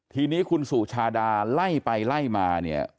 ทีนี้คุณสุชาดาไล่ไปไล่มาเนี่ย